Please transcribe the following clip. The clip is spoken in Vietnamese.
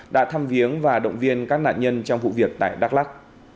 đã thăm viếng và động viên các nạn nhân trong vụ việc tại đắk lắc